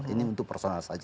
ini untuk personal saja